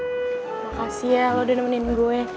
makasih ya lo udah nemenin gue